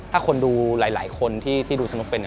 ถ้าคนดูหลายคนที่ดูสนุกเป็น